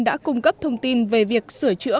đã cung cấp thông tin về việc sửa chữa